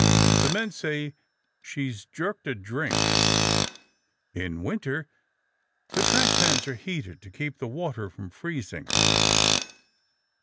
The men say, "She's jerked a drink." In winter, the track pans are heated to keep the water from freezing.